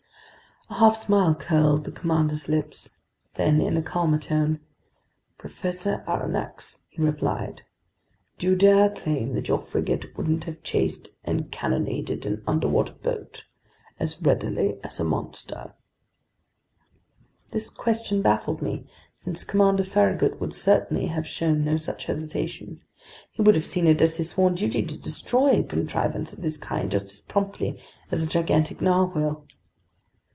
A half smile curled the commander's lips; then, in a calmer tone: "Professor Aronnax," he replied, "do you dare claim that your frigate wouldn't have chased and cannonaded an underwater boat as readily as a monster?" This question baffled me, since Commander Farragut would certainly have shown no such hesitation. He would have seen it as his sworn duty to destroy a contrivance of this kind just as promptly as a gigantic narwhale.